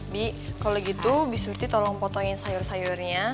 bik kalau gitu biz menjadi tolong potong sayur sayurnya